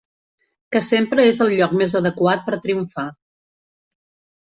Que sempre és al lloc més adequat per triomfar.